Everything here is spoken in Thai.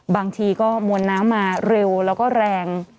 บางทีก็มวลน้ำมาเร็วแล้วก็แรง